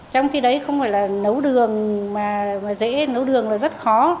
trong khi đấy không phải là nấu đường mà dễ nấu đường là rất khó